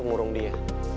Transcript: udah disuruh sama sila